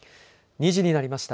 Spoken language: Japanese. ２時になりました。